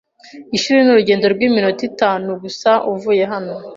Ishuri ni urugendo rw'iminota itanu gusa uvuye hano.